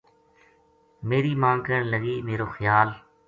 میری ماں کہن لگی ” میرو خیال